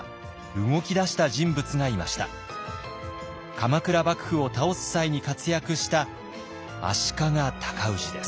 鎌倉幕府を倒す際に活躍した足利尊氏です。